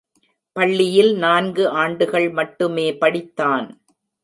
பள்ளியில் நான்கு ஆண்டுகள் மட்டுமே படித்தான்.